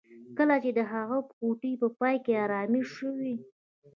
کله چې د هغه ګوتې په پای کې ارامې شوې